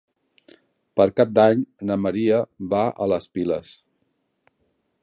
Per Cap d'Any na Maria va a les Piles.